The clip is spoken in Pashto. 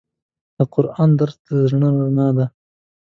د قرآن درس د زړه رڼا ده.